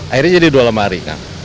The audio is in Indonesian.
akhirnya jadi dua lemari